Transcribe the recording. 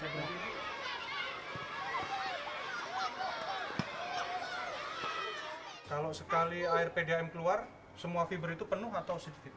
kalau sekali air pdam keluar semua fiber itu penuh atau sedikit